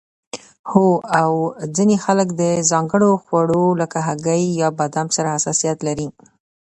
هو او ځینې خلک د ځانګړو خوړو لکه هګۍ یا بادام سره حساسیت لري